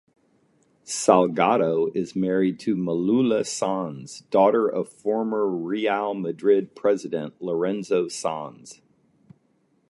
Salgado is married to Malula Sanz, daughter of former Real Madrid president Lorenzo Sanz.